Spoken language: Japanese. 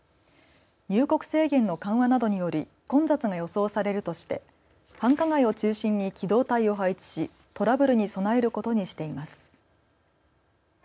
入国制限の緩和などにより混雑が予想されるとして繁華街を中心に機動隊を配置しトラブルに備えることにしています。